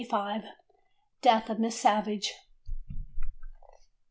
Death of Miss Savage.